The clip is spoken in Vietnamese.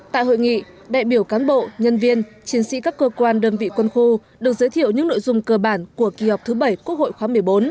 tại hội nghị đại biểu cán bộ nhân viên chiến sĩ các cơ quan đơn vị quân khu được giới thiệu những nội dung cơ bản của kỳ họp thứ bảy quốc hội khóa một mươi bốn